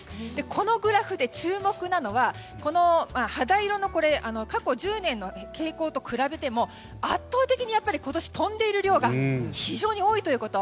このグラフで注目なのは過去１０年の傾向と比べても圧倒的に今年、飛んでいる量が非常に多いということ。